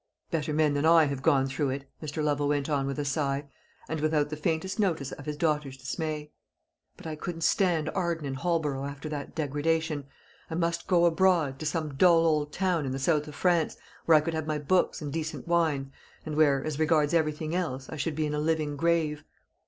"Better men than I have gone through it," Mr. Lovel went on with a sigh, and without the faintest notice of his daughter's dismay; "but I couldn't stand Arden and Holborough after that degradation. I must go abroad, to some dull old town in the south of France, where I could have my books and decent wine, and where, as regards everything else, I should be in a living grave.